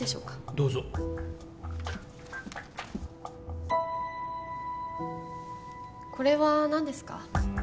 ・どうぞこれは何ですか？